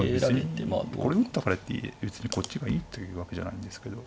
これ打ったからって別にこっちがいいというわけじゃないんですけど。